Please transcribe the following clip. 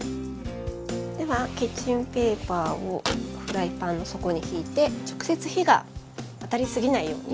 ではキッチンペーパーをフライパンの底にひいて直接火が当たりすぎないようにひいておきます。